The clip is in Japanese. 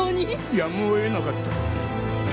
やむをえなかった。